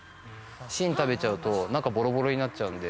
芯食べちゃうと、中ぼろぼろになっちゃうんで。